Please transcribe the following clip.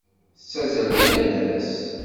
Tettazzalem yal ass?